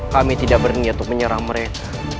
kami tidak berniat untuk menyerang mereka